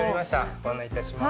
ご案内いたします。